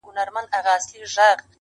زما غنمرنگه، زما لونگه ځوانې وغوړېده~